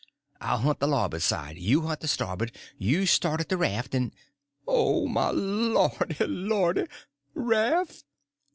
I'll hunt the labboard side, you hunt the stabboard. You start at the raft, and—" "Oh, my lordy, lordy! Raf'?